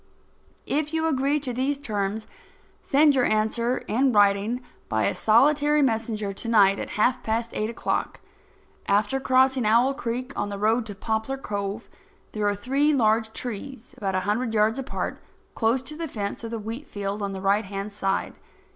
If you agree to these terms, send your answer in writing by a solitary messenger to night at half past eight o'clock. After crossing Owl Creek, on the road to Poplar Cove, there are three large trees about a hundred yards apart, close to the fence of the wheat field on the right hand side.